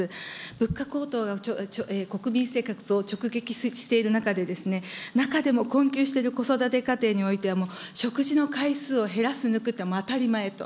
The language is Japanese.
物価高騰が国民生活を直撃している中で、中でも困窮している子育て家庭においては、もう食事の回数を減らす、抜くって当たり前と。